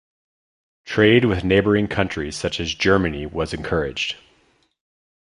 Trade with neighbouring countries such as Germany was encouraged.